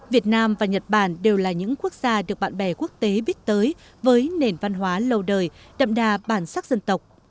việt nam và nhật bản đều là những quốc gia được bạn bè quốc tế biết tới với nền văn hóa lâu đời đậm đà bản sắc dân tộc